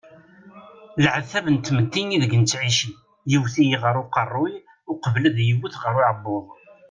Leɛtab n tmetti ideg nettɛici yewwet-iyi ɣer uqerruy uqbel ad iyi-iwet ɣer uɛebbuḍ.